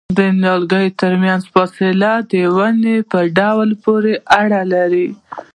د نیالګیو ترمنځ فاصله د ونې په ډول پورې اړه لري؟